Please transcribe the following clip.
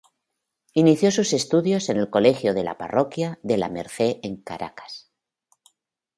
Inició sus estudios en el colegio de la Parroquia de la Merced en Caracas.